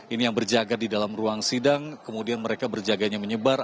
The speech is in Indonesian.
ini yang berjaga di dalam ruang sidang kemudian mereka berjaganya menyebar